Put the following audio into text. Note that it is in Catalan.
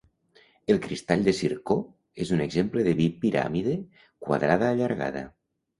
El cristall de zircó és un exemple de bipiràmide quadrada allargada.